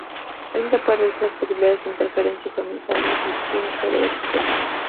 Así se puede reducir las posibles interferencias y aumentar la eficiencia del espectro.